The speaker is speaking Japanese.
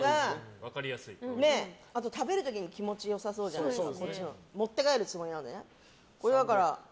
食べる時に気持ちよさそうじゃないですか。